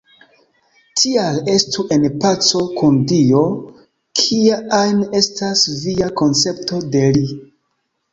Tial estu en paco kun Dio, kia ajn estas via koncepto de Li.